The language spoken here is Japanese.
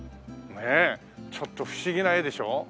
ちょっと不思議な絵でしょ？